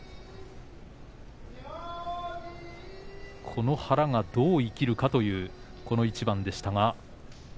この腹がどう生きるかという一番でした。